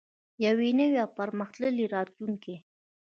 یو نوی او پرمختللی راتلونکی.